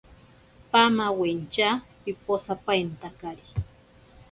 Pamawentya piposapaintakari.